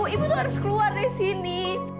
ibu tuh harus keluar dari sini